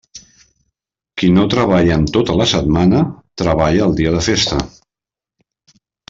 Qui no treballa en tota la setmana, treballa el dia de festa.